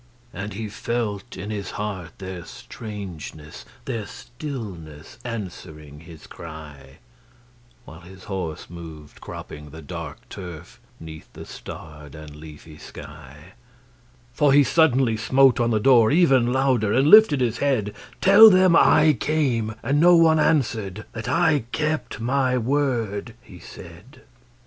And he felt in his heart their strangeness, Their stillness answering his cry, While his horse moved, cropping the dark turf,'Neath the starred and leafy sky; For he suddenly smote on the door, evenLouder, and lifted his head:—'Tell them I came, and no one answered, That I kept my word,' he said.